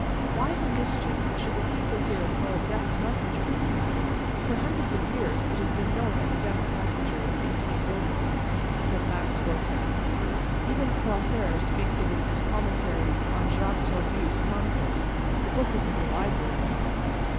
Why the mischief should the people here call it death's messenger?" "For hundreds of years it has been known as death's messenger in St. Gildas," said Max Fortin. "Even Froissart speaks of it in his commentaries on Jacques Sorgue's Chronicles. The book is in your library."